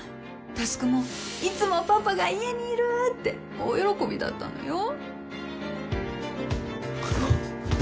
匡もいつもパパが家にいるって大喜びだったのよ